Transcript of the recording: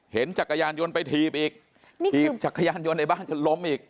จักรยานยนต์ไปถีบอีกถีบจักรยานยนต์ในบ้านจนล้มอีก